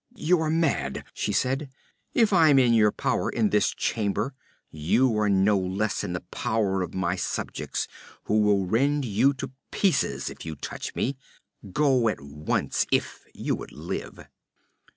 'You are mad!' she said. 'If I am in your power in this chamber, you are no less in the power of my subjects, who will rend you to pieces if you touch me. Go at once, if you would live.'